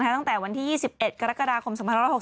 ตั้งแต่วันที่๒๑กรกฎาคม๒๖๖